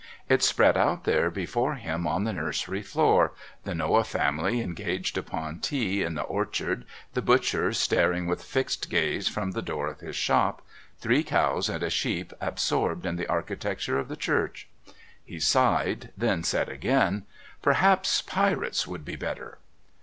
It spread out there before him on the nursery floor, the Noah family engaged upon tea in the orchard, the butcher staring with fixed gaze from the door of his shop, three cows and a sheep absorbed in the architecture of the church. He sighed, then said again: "Perhaps Pirates would be better."